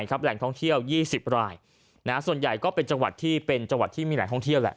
แหล่งท่องเที่ยว๒๐รายส่วนใหญ่ก็เป็นจังหวัดที่เป็นจังหวัดที่มีแหล่งท่องเที่ยวแหละ